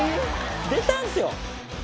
出たんですよ。